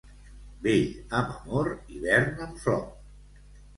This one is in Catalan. Vell amb amor, hivern amb flor.